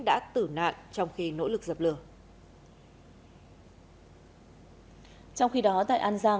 đã tử nạn trong khi nỗ lực dập lửa